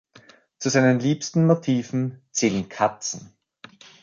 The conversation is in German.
Zu seinen liebsten Motiven zählen Katzen.